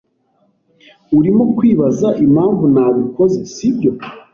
Urimo kwibaza impamvu nabikoze, sibyo?